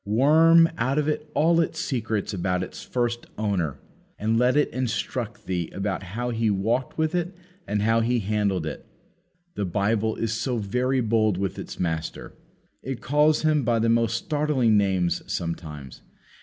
Worm out of it all its secrets about its first Owner. And let it instruct thee about how He walked with it and how He handled it. The Bible is very bold with its Master. It calls Him by the most startling names sometimes.